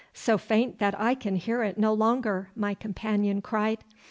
'So faint that I can hear it no longer,' my companion cried.